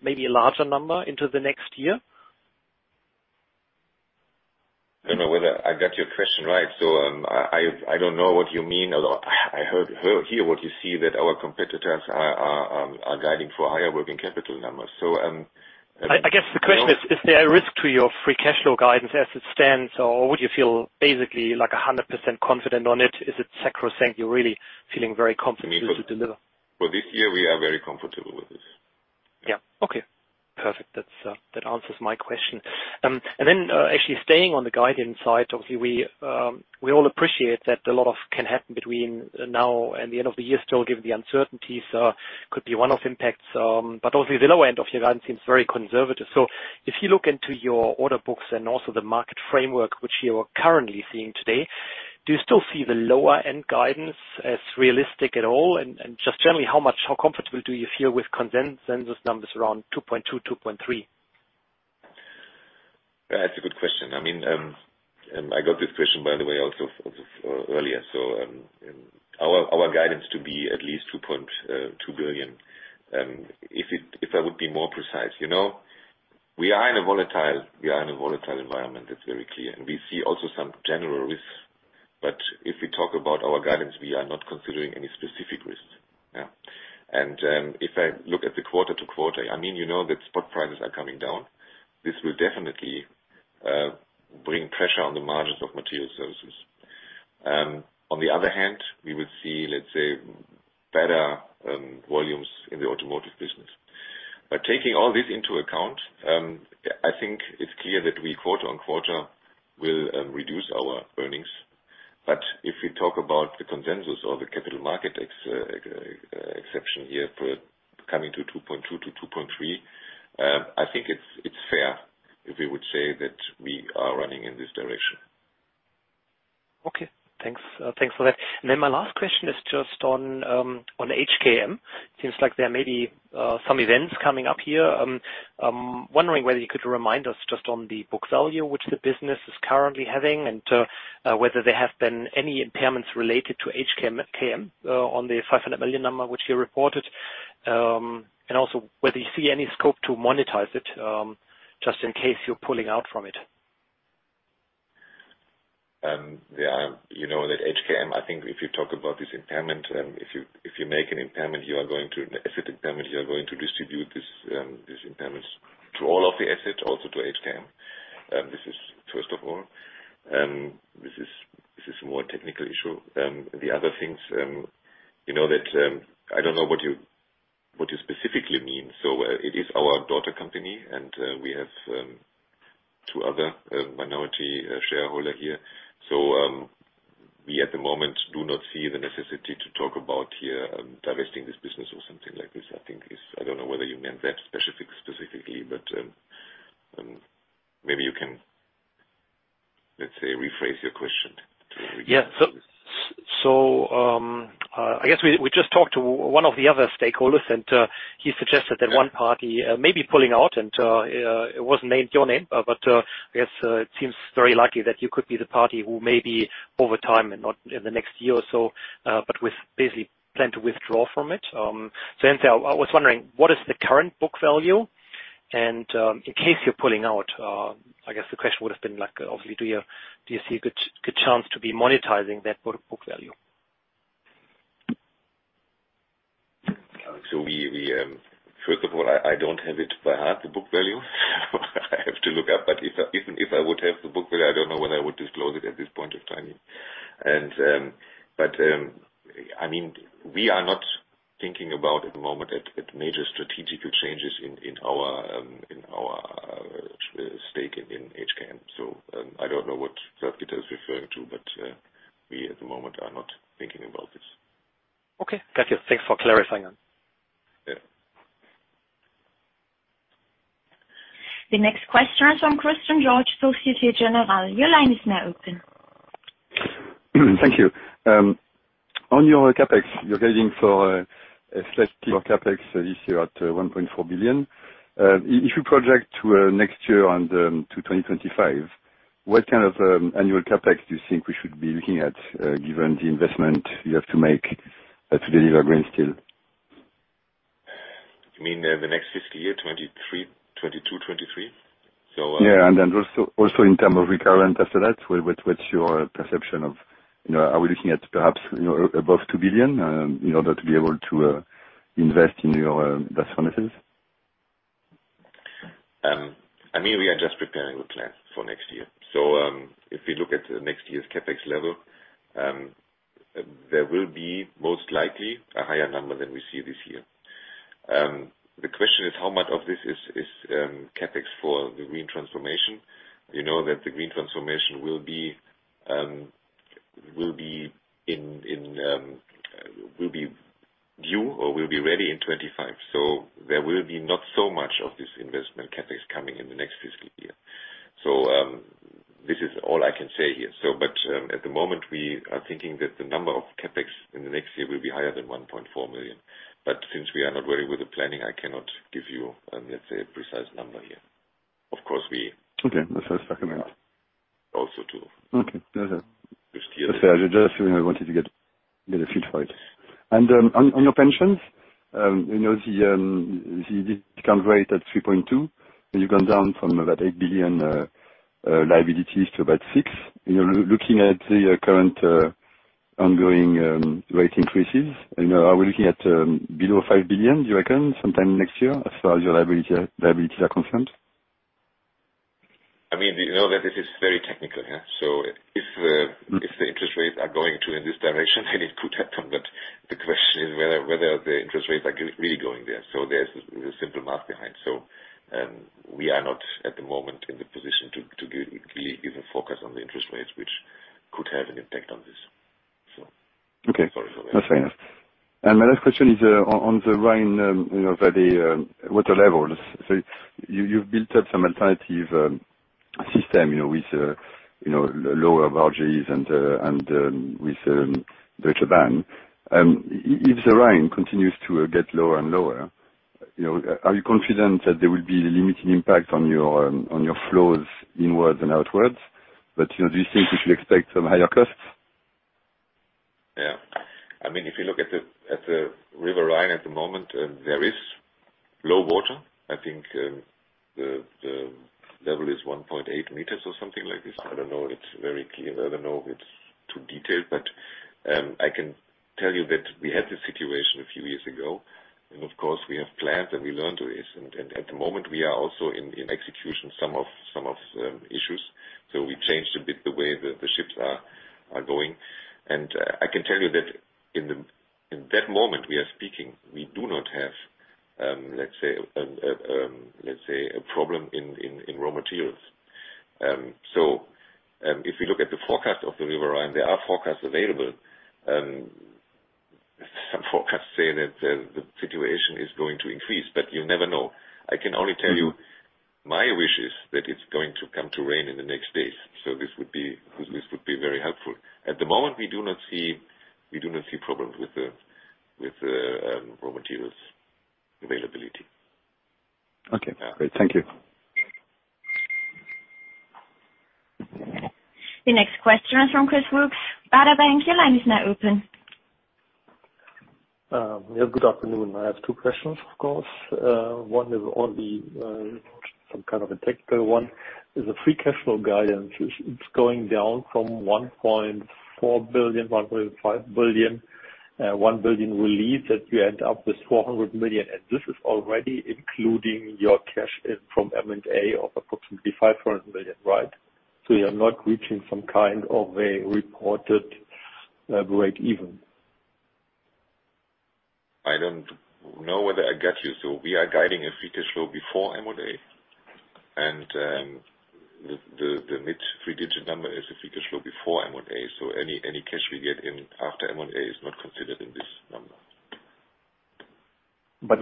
maybe a larger number into the next year? I don't know whether I got your question right. I don't know what you mean. I heard what you said that our competitors are guiding for higher working capital numbers. I guess the question is there a risk to your Free Cash Flow guidance as it stands, or would you feel basically like 100% confident on it? Is it sacrosanct, you're really feeling very confident to deliver? For this year, we are very comfortable with this. Yeah. Okay. Perfect. That answers my question. Actually staying on the guidance side, obviously we all appreciate that a lot can happen between now and the end of the year still, given the uncertainties. Could be one-off impacts, but also the lower end of your guidance seems very conservative. If you look into your order books and also the market framework which you are currently seeing today, do you still see the lower end guidance as realistic at all? Just generally, how comfortable do you feel with consensus numbers around 2.2, 2.3? That's a good question. I mean, I got this question by the way also for earlier. So, our guidance to be at least 2.2 billion. If I would be more precise, you know, we are in a volatile environment. That's very clear. We see also some general risks. If we talk about our guidance, we are not considering any specific risks. Yeah. If I look at the quarter-on-quarter, I mean, you know that spot prices are coming down. This will definitely bring pressure on the margins of Materials Services. On the other hand, we will see, let's say, better volumes in the automotive business. By taking all this into account, I think it's clear that we quarter-on-quarter will reduce our earnings. If we talk about the consensus or the capital market expectation here for coming to 2.2-2.3, I think it's fair if we would say that we are running in this direction. Okay, thanks. Thanks for that. My last question is just on HKM. Seems like there may be some events coming up here. I'm wondering whether you could remind us just on the book value which the business is currently having, and whether there have been any impairments related to HKM on the 500 million number which you reported. And also whether you see any scope to monetize it just in case you're pulling out from it. Yeah. You know that HKM, I think if you talk about this impairment, if you make an impairment, you are going to an asset impairment, you are going to distribute these impairments to all of the assets, also to HKM. This is first of all. This is more technical issue. The other things, you know that, I don't know what you specifically mean. It is our daughter company and, we have two other minority shareholder here. We at the moment do not see the necessity to talk about here, divesting this business or something like this. I think it's I don't know whether you meant that specifically, but, maybe you can, let's say, rephrase your question. Yeah. I guess we just talked to one of the other stakeholders, and he suggested that one party may be pulling out and it wasn't named your name, but I guess it seems very likely that you could be the party who may be over time and not in the next year or so, but with basically plan to withdraw from it. Hence I was wondering what is the current book value? In case you're pulling out, I guess the question would have been like, obviously, do you see a good chance to be monetizing that book value? First of all, I don't have it by heart, the book value. I have to look up. Even if I would have the book value, I don't know whether I would disclose it at this point in time. I mean, we are not thinking about, at the moment, major strategic changes in our stake in HKM. I don't know what third quarter is referring to, but we at the moment are not thinking about this. Okay. Got you. Thanks for clarifying that. Yeah. The next question is from Christian George, Société Générale. Your line is now open. Thank you. On your CapEx, you're guiding for a select CapEx this year at 1.4 billion. If you project to next year and to 2025, what kind of annual CapEx do you think we should be looking at, given the investment you have to make to deliver green steel? You mean the next fiscal year, 2022-2023? Yeah. Also in terms of recurrent after that, what's your perception of, you know, are we looking at perhaps, you know, above 2 billion in order to be able to invest in your blast furnaces? I mean, we are just preparing the plan for next year. If we look at next year's CapEx level, there will be most likely a higher number than we see this year. The question is how much of this is CapEx for the green transformation. You know that the green transformation will be due or will be ready in 2025. There will be not so much of this investment CapEx coming in the next fiscal year. This is all I can say here. At the moment, we are thinking that the number of CapEx in the next year will be higher than 1.4 million. Since we are not ready with the planning, I cannot give you, let's say, a precise number here. Of course. Okay. That's what I was recommending. Also to- Okay. No. This year. Just feeling I wanted to get a feel for it. On your pensions, you know, the discount rate at 3.2, you've gone down from about 8 billion liabilities to about 6 billion. You know, looking at the current ongoing rate increases, you know, are we looking at below 5 billion, do you reckon, sometime next year as far as your liabilities are concerned? I mean, you know that this is very technical, yeah. Mm-hmm. If the interest rates are going in this direction, then it could happen. The question is whether the interest rates are really going there. There's the simple math behind. We are not at the moment in the position to give a focus on the interest rates, which could have an impact on this. Okay. Sorry. No, fair enough. My last question is on the Rhine, you know, the water levels. You've built up some alternative system, you know, with lower barges and with the towboat. If the Rhine continues to get lower and lower, you know, are you confident that there will be a limited impact on your flows inwards and outwards? You know, do you think if you expect some higher costs? Yeah. I mean, if you look at the river Rhine at the moment, there is low water. I think the level is 1.8 m or something like this. I don't know, it's very clear. I don't know if it's too detailed, but I can tell you that we had this situation a few years ago, and of course, we have plans and we learned ways. At the moment, we are also in execution some of the issues. We changed a bit the way the ships are going. I can tell you that in that moment we are speaking, we do not have, let's say, a problem in raw materials. If you look at the forecast of the river Rhine, there are forecasts available. Some forecasts say that the situation is going to increase, but you never know. I can only tell you my wish is that it's going to come to rain in the next days. This would be very helpful. At the moment, we do not see problems with the raw materials availability. Okay. Yeah. Great. Thank you. The next question is from Chris Obst. Baader Bank, your line is now open. Good afternoon. I have two questions, of course. One is on some kind of a technical one. Is the Free Cash Flow guidance going down from 1.4 billion-1.5 billion, 1 billion relief that you end up with 400 million? This is already including your cash in from M&A of approximately 500 million, right? You're not reaching some kind of a reported break even. I don't know whether I got you. We are guiding a Free Cash Flow Before M&A. The mid three-digit number is the Free Cash Flow Before M&A. Any cash we get in after M&A is not considered in this number.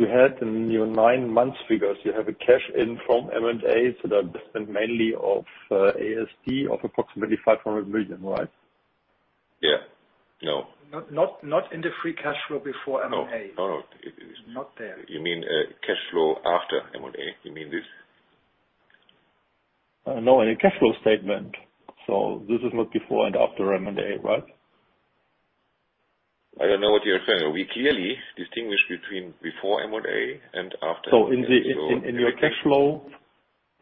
You had in your nine months figures, you have a cash in from M&A, so that's mainly of AST of approximately 500 million, right? Yeah. No. Not in the Free Cash Flow Before M&A. No. No, no. Not there. You mean, cash flow after M&A? You mean this? No, in a cash flow statement. This is not before and after M&A, right? I don't know what you're saying. We clearly distinguish between before M&A and after M&A. In your cash flow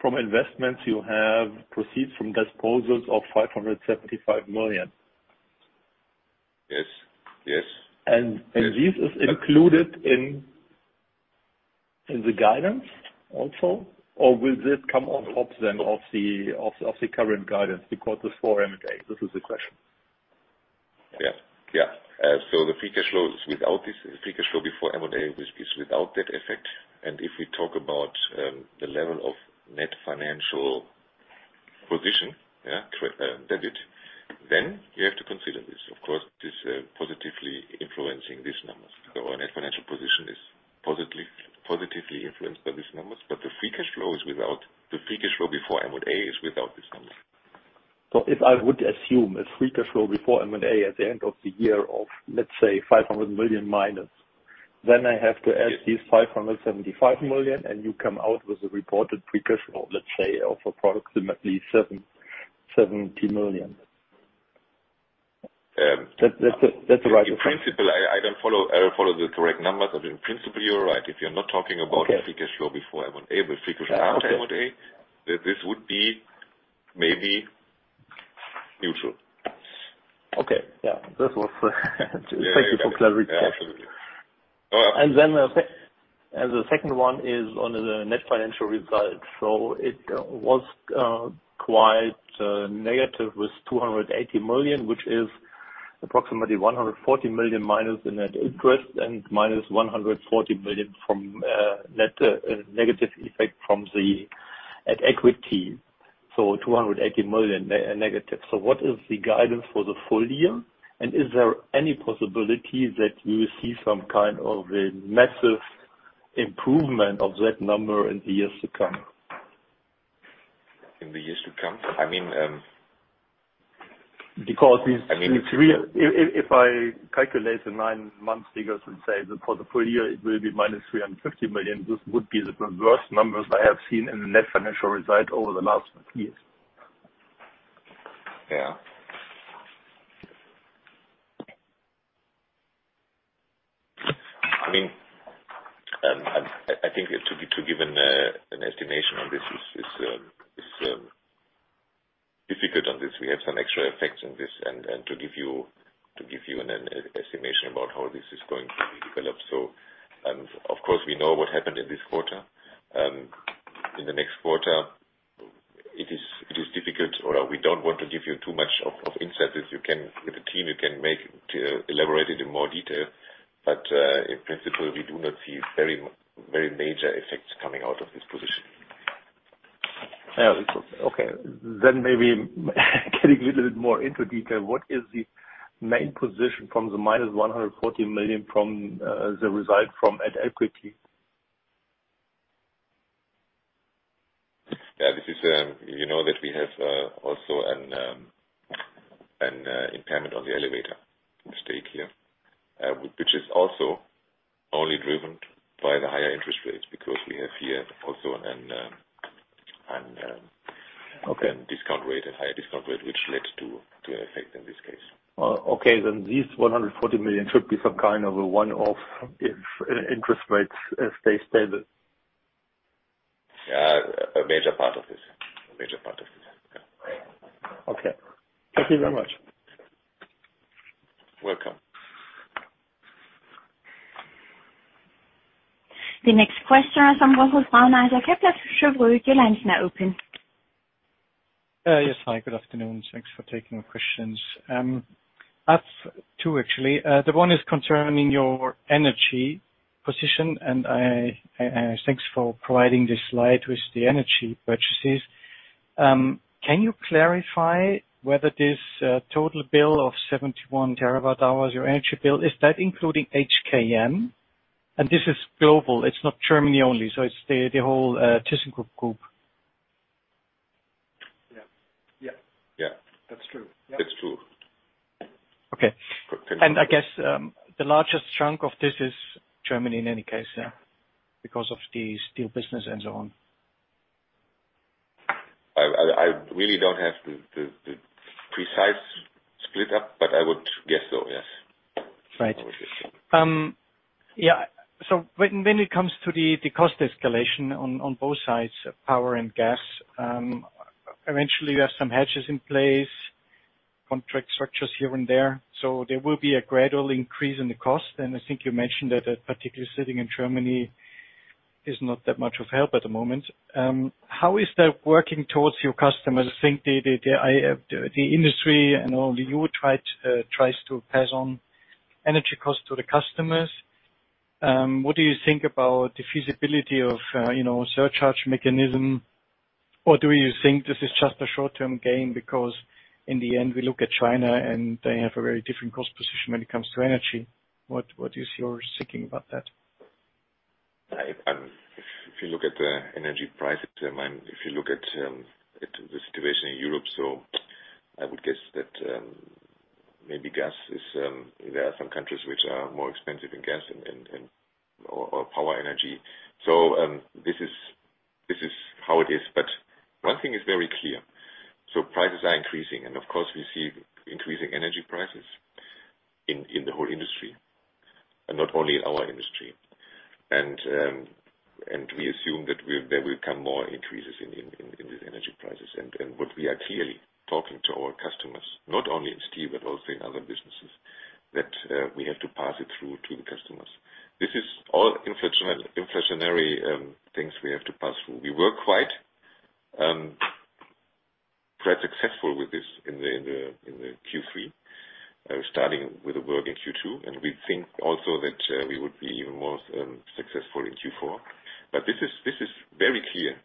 from investments, you have proceeds from disposals of 575 million. Yes. Yes. This is included in the guidance also? Or will this come on top then of the current guidance because it's for M&A? This is the question. Yeah. The Free Cash Flow is without this. Free Cash Flow Before M&A, which is without that effect. If we talk about the level of net financial debt, then you have to consider this. Of course, this positively influencing these numbers. Our net financial debt is positively influenced by these numbers. The Free Cash Flow Before M&A is without this number. If I would assume a Free Cash Flow before M&A at the end of the year of, let's say, 500 million minus, then I have to add these 575 million, and you come out with a reported Free Cash Flow, let's say, of approximately 70 million. Um. That's the right. In principle, I don't follow the correct numbers, but in principle you're right. If you're not talking about- Okay. the Free Cash Flow before M&A, but Free Cash Flow after M&A. This would be maybe neutral. Okay. Yeah. This was Yeah, yeah. Thank you for clarifying. Absolutely. The second one is on the net financial results. It was quite negative with 280 million, which is approximately 140 million minus the net interest and -140 million from net negative effect from the at equity. 280 million negative. What is the guidance for the full year? And is there any possibility that you will see some kind of a massive improvement of that number in the years to come? In the years to come? I mean, Because these- I mean it's real. If I calculate the nine months figures and say that for the full year it will be -350 million, this would be the worst numbers I have seen in the net financial result over the last years. Yeah. I mean, I think to give an estimation on this is difficult on this. We have some extra effects on this and to give you an estimation about how this is going to develop. Of course we know what happened in this quarter. In the next quarter, it is difficult or we don't want to give you too much of insight as you can with the team, you can make to elaborate it in more detail. In principle, we do not see very major effects coming out of this position. Yeah. Okay. Maybe getting a little bit more into detail, what is the main position from the -140 million, the result from at equity? Yeah, this is, you know, that we have also an impairment on the elevator stake here, which is also only driven by the higher interest rates because we have here also an Okay. discount rate, a higher discount rate, which led to an effect in this case. Okay. This 140 million should be some kind of a one-off if interest rates stay stable. Yeah. A major part of this. Yeah. Okay. Thank you very much. Welcome. The next question is from. Yes. Hi, good afternoon. Thanks for taking the questions. I have two, actually. The one is concerning your energy position, and I thanks for providing this slide with the energy purchases. Can you clarify whether this total bill of 71 TWh, your energy bill, is that including HKM? And this is global. It's not Germany only, so it's the whole thyssenkrupp group. Yeah. That's true. Yeah. It's true. Okay. Continue. I guess the largest chunk of this is Germany in any case, yeah, because of the steel business and so on. I really don't have the precise split up, but I would guess so, yes. Right. I would guess so. Yeah. When it comes to the cost escalation on both sides, power and gas, eventually you have some hedges in place, contract structures here and there. There will be a gradual increase in the cost. I think you mentioned that particularly sitting in Germany is not that much of help at the moment. How is that working towards your customers? I think the industry and all tries to pass on energy costs to the customers. What do you think about the feasibility of you know, surcharge mechanism? Or do you think this is just a short-term gain? Because in the end, we look at China, and they have a very different cost position when it comes to energy. What is your thinking about that? If you look at the energy prices in mind, if you look at the situation in Europe, I would guess that maybe there are some countries which are more expensive in gas and/or power energy. This is how it is. One thing is very clear. Prices are increasing, and of course, we see increasing energy prices in the whole industry, and not only in our industry. We assume that there will come more increases in the energy prices. What we are clearly talking to our customers, not only in steel, but also in other businesses, that we have to pass it through to the customers. This is all inflationary things we have to pass through. We were quite successful with this in the Q3, starting with the work in Q2. We think also that we would be even more successful in Q4. This is very clear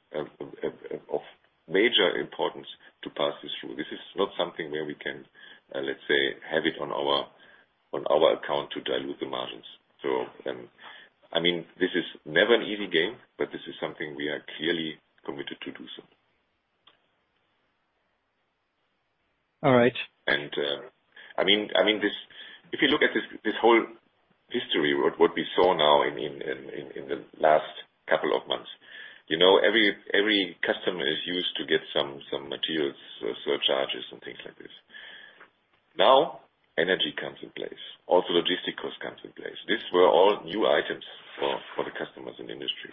of major importance to pass this through. This is not something where we can, let's say, have it on our account to dilute the margins. I mean, this is never an easy game, but this is something we are clearly committed to do so. All right. I mean, if you look at this whole history, what we saw now in the last couple of months, you know, every customer is used to get some materials surcharges and things like this. Now energy comes in place. Also logistical comes in place. These were all new items for the customers in the industry.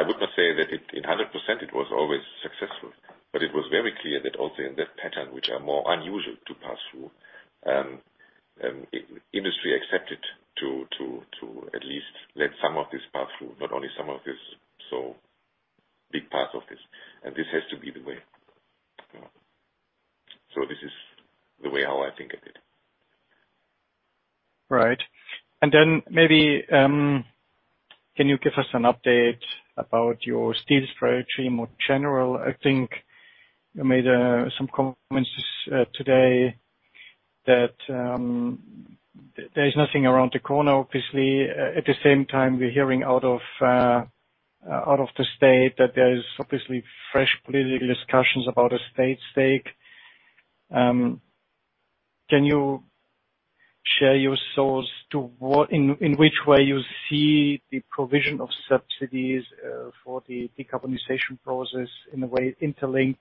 I would not say that it 100% was always successful, but it was very clear that also in that pattern, which are more unusual to pass through, industry accepted to at least let some of this pass through, not only some of this, so big parts of this, and this has to be the way. This is the way how I think of it. Right. Maybe can you give us an update about your steel strategy more general? I think you made some comments today that there is nothing around the corner, obviously. At the same time, we're hearing out of the state that there is obviously fresh political discussions about a state stake. Can you share in which way you see the provision of subsidies for the decarbonization process in a way interlinked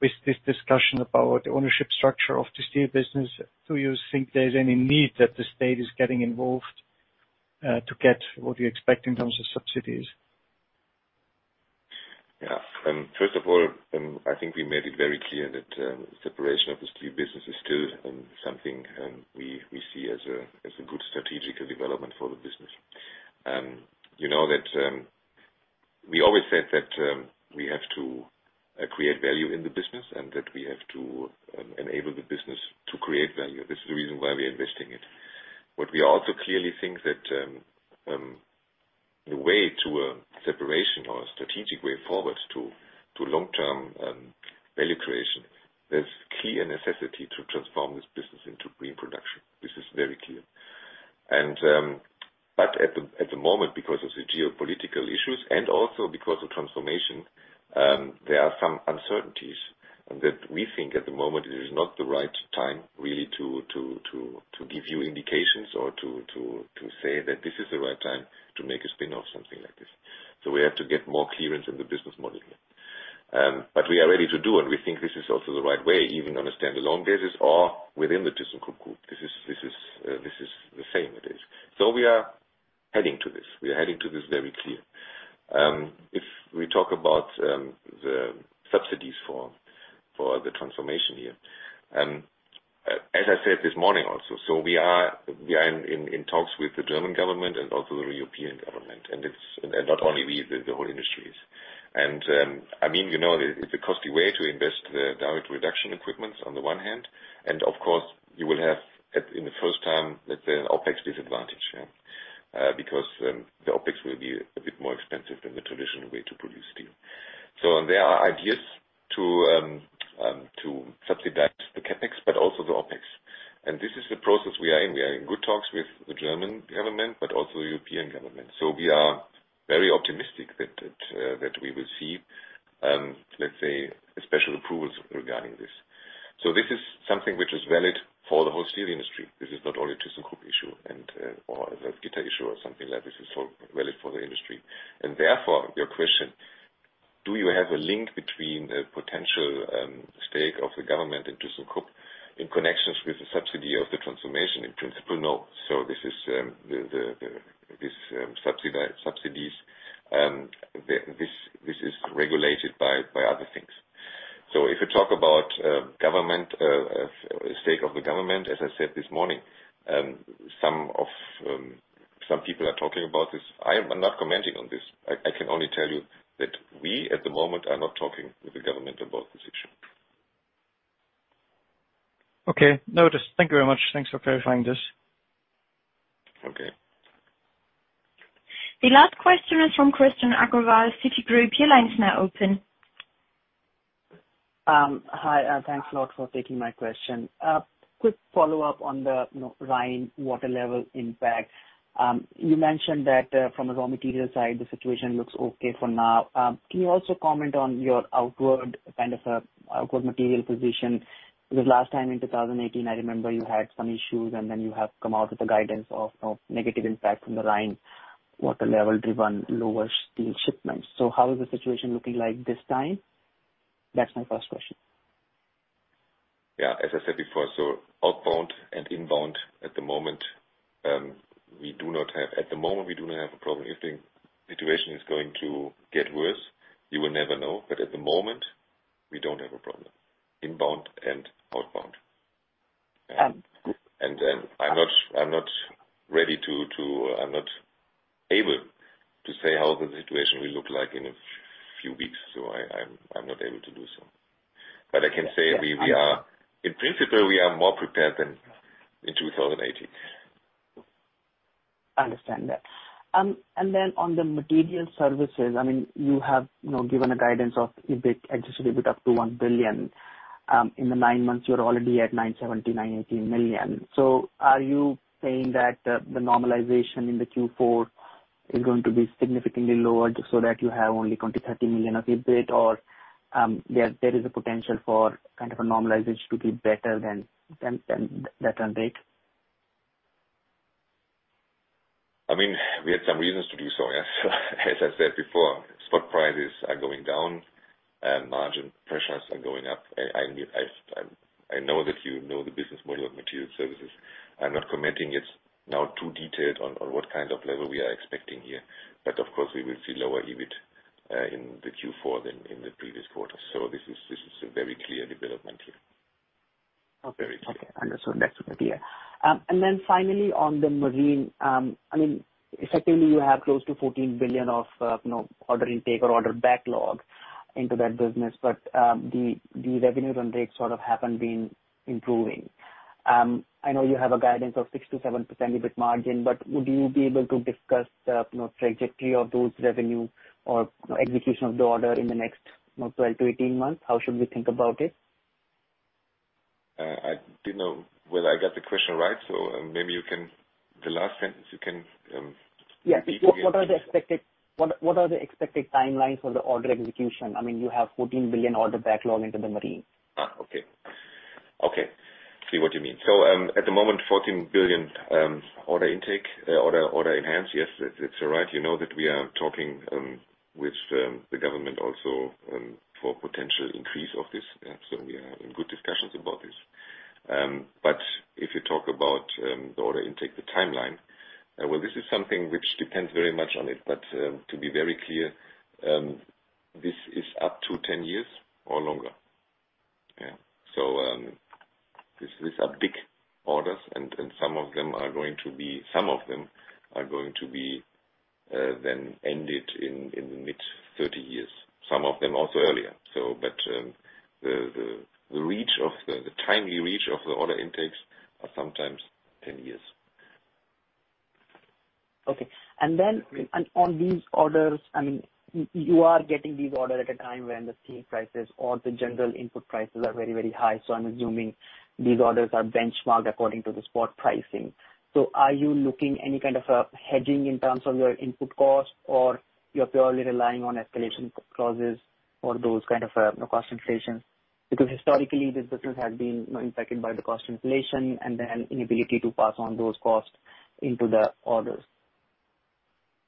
with this discussion about the ownership structure of the steel business? Do you think there's any need that the state is getting involved to get what you expect in terms of subsidies? Yeah. First of all, I think we made it very clear that separation of the steel business is still something we see as a good strategic development for the business. You know that we always said that we have to create value in the business and that we have to enable the business to create value. This is the reason why we are investing it. What we also clearly think that the way to a separation or a strategic way forward to long-term value creation, there's key and necessity to transform this business into green production. This is very clear. At the moment, because of the geopolitical issues and also because of transformation, there are some uncertainties that we think at the moment it is not the right time really to give you indications or to say that this is the right time to make a spin-off something like this. We have to get more clearance in the business model. We are ready to do, and we think this is also the right way, even on a standalone basis or within the thyssenkrupp Group. This is the same it is. We are heading to this. We are heading to this very clear. If we talk about the subsidies for the transformation here, as I said this morning also, we are in talks with the German government and also the European government, and not only we, the whole industry. I mean, you know, it's a costly way to invest in the direct reduction equipment on the one hand, and of course you will have, in the first time, let's say, an OpEx disadvantage, yeah. Because the OpEx will be a bit more expensive than the traditional way to produce steel. There are ideas to subsidize the CapEx, but also the OpEx. This is the process we are in. We are in good talks with the German government, but also European government. We are very optimistic that we will see, let's say, special approvals regarding this. This is something which is valid for the whole steel industry. This is not only a thyssenkrupp issue and or a Salzgitter issue or something like this. This is all valid for the industry. Therefore, your question, do you have a link between a potential stake of the government in thyssenkrupp in connection with the subsidy of the transformation? In principle, no. This is these subsidies. This is regulated by other things. If you talk about government stake of the government, as I said this morning, some people are talking about this. I'm not commenting on this. I can only tell you that we, at the moment, are not talking with the government about this issue. Okay. Noted. Thank you very much. Thanks for clarifying this. Okay. The last question is from Krishan Agarwal, Citigroup. Your line is now open. Hi, thanks a lot for taking my question. Quick follow-up on the, you know, Rhine water level impact. You mentioned that, from a raw material side, the situation looks okay for now. Can you also comment on your outward kind of, outward material position? Because last time in 2018, I remember you had some issues and then you have come out with a guidance of negative impact from the Rhine water level-driven lower steel shipments. How is the situation looking like this time? That's my first question. As I said before, outbound and inbound at the moment, we do not have a problem. At the moment, we do not have a problem. If the situation is going to get worse, you will never know. At the moment, we don't have a problem inbound and outbound. Um- I'm not able to say how the situation will look like in a few weeks, so I'm not able to do so. I can say we are, in principle, more prepared than in 2018. Understand that. On the Materials Services, I mean, you have, you know, given a guidance of adjusted EBIT up to 1 billion, in the nine months you're already at 970 million-980 million. Are you saying that the normalization in the Q4 is going to be significantly lower just so that you have only 20 million-30 million of EBIT or, there is a potential for kind of a normalization to be better than that run rate? As I said before, spot prices are going down and margin pressures are going up. I know that you know the business model of Materials Services. I'm not commenting it now too detailed on what kind of level we are expecting here, but of course, we will see lower EBIT in the Q4 than in the previous quarter. This is a very clear development here. Okay. Very clear. Understood. That's clear. Then finally on the marine. I mean, effectively you have close to 14 billion of, you know, order intake or order backlog into that business. But the revenues on that sort of haven't been improving. I know you have a guidance of 6%-7% EBIT margin, but would you be able to discuss the, you know, trajectory of those revenue or execution of the order in the next, you know, 12-18 months? How should we think about it? I didn't know whether I got the question right, so maybe you can. The last sentence you can repeat again. Yes. What are the expected timelines for the order execution? I mean, you have 14 billion order backlog in the Marine Systems. Okay. See what you mean. At the moment, 14 billion order intake enhancement. Yes, that's alright. You know that we are talking with the government also for potential increase of this. We are in good discussions about this. If you talk about the order intake, the timeline, well, this is something which depends very much on it, but to be very clear, this is up to 10 years or longer. These are big orders and some of them are going to be ended in the mid-30s, some of them also earlier, but the timely reach of the order intakes are sometimes 10 years. Okay. Then on these orders, I mean, you are getting these orders at a time when the steel prices or the general input prices are very, very high. I'm assuming these orders are benchmarked according to the spot pricing. Are you looking at any kind of a hedging in terms of your input cost or you're purely relying on escalation clauses or those kind of cost inflation? Because historically this business had been impacted by the cost inflation and then inability to pass on those costs into the orders.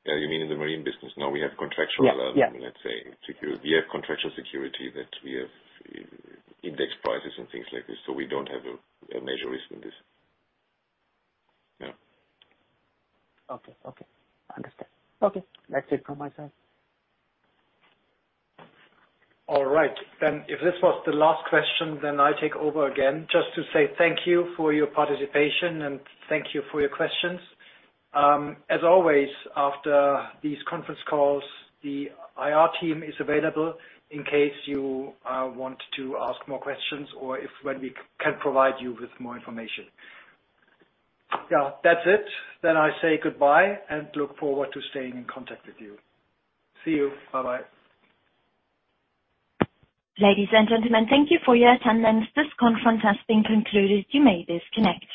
Yeah. You mean in the marine business? No, we have contractual- Yeah. Yeah. Let's say security. We have contractual security that we have indexed prices and things like this, so we don't have a major risk in this. Yeah. Okay. Understood. That's it from my side. All right. If this was the last question, I take over again just to say thank you for your participation, and thank you for your questions. As always, after these conference calls, the IR team is available in case you want to ask more questions or when we can provide you with more information. Yeah, that's it, then I say goodbye and look forward to staying in contact with you. See you. Bye-bye. Ladies and gentlemen, thank you for your attendance. This conference has been concluded. You may disconnect.